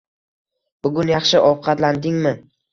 Bugun yaxshi ovqatlandingmi?